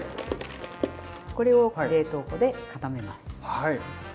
これを冷凍庫で固めます。